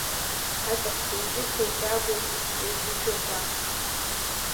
Аҵыхәтәантәи, сентиабр ҩажәижәаба…